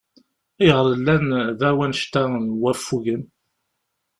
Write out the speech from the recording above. Ayɣeṛ llan da wannect-a n waffugen?